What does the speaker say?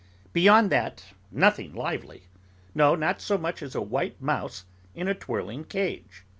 Beyond that, nothing lively; no, not so much as a white mouse in a twirling cage.